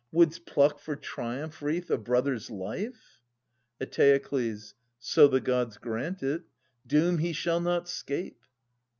Wouldst pluck for triumph wreath a brother's life ? Eteokles. So the Gods grant it, doom he shall not 'scape.